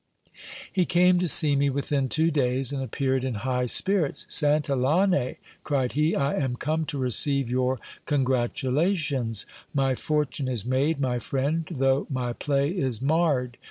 He came to see me within two days, and appeared in high spirits. Santil lane, cried he, I am come to receive your congratulations. My fortune is made, my friend, though my play is marred.